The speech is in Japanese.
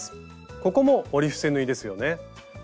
ここも折り伏せ縫いですよね。